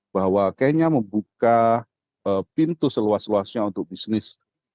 bahwa kenya membuka pintu seluas luasnya untuk bisnis